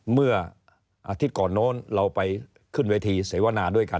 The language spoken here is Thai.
เมื่ออาทิตย์ก่อนโน้นเราไปขึ้นเวทีเสวนาด้วยกัน